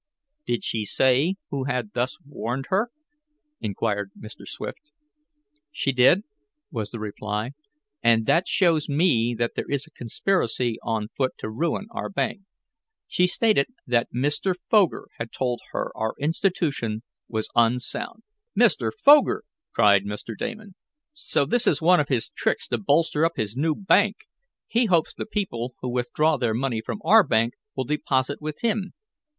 "Did she say who had thus warned her?" inquired Mr. Swift. "She did," was the reply, "and that shows me that there is a conspiracy on foot to ruin our bank. She stated that Mr. Foger had told her our institution was unsound." "Mr. Foger!" cried Mr. Damon. "So this is one of his tricks to bolster up his new bank! He hopes the people who withdraw their money from our bank will deposit with him.